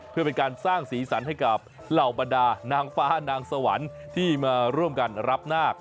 เพื่อเป็นการสร้างสีสันให้กับเหล่าบรรดานางฟ้านางสวรรค์ที่มาร่วมกันรับนาค